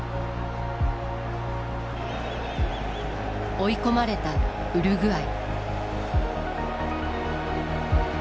追い込まれたウルグアイ。